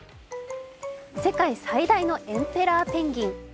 世界最大のエンペラーペンギン。